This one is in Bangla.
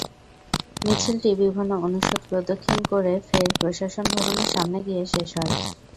মিছিলটি বিভিন্ন অনুষদ প্রদক্ষিণ করে ফের প্রশাসন ভবনের সামনে গিয়ে শেষ হয়।